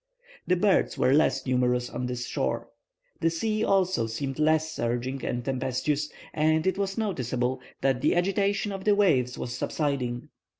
The birds were less numerous on this shore. The sea also seemed less surging and tempestuous, and it was noticeable that the agitation of the waves was subsiding.